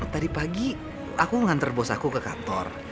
tadi pagi aku nganter bos aku ke kantor